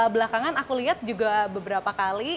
belakangan aku lihat juga beberapa kali